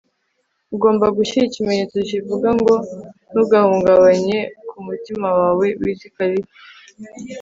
ugomba gushyira ikimenyetso kivuga ngo ntugahungabanye ku mutima wawe - wiz khalifa